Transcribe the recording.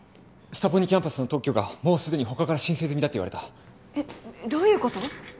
スタポニキャンパスの特許がもうすでに他から申請済みだって言われたえっどういうこと？